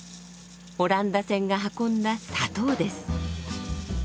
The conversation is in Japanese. オランダ船が運んだ砂糖です。